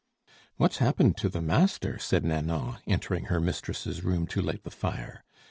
"What's happened to the master?" said Nanon, entering her mistress's room to light the fire.